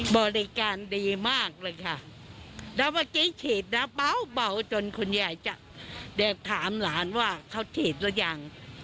บริการดีมากเลยค่ะแล้วเมื่อกี้ฉีดนะเบาจนคุณยายจะได้ถามหลานว่าเขาฉีดหรือยัง